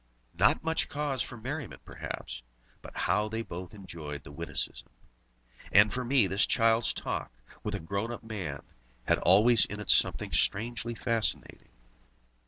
Not much cause for merriment, perhaps; but how they both enjoyed the witticism! And for me, this child's talk with a grown up man had always in it something strangely fascinating.